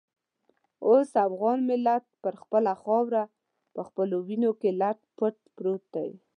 اوس افغان ملت پر خپله خاوره په خپلو وینو کې لت پت پروت دی.